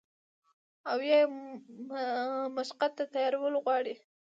او يا ئې مشقت ته تيارول غواړي